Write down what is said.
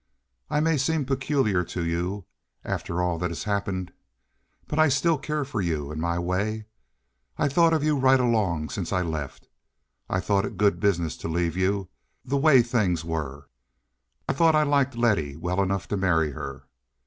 "I may seem peculiar to you, after all that has happened, but I still care for you—in my way. I've thought of you right along since I left. I thought it good business to leave you—the way things were. I thought I liked Letty well enough to marry her.